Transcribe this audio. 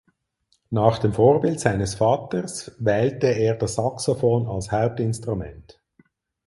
Nach dem Vorbild seines Vaters wählte er das Saxophon als Hauptinstrument.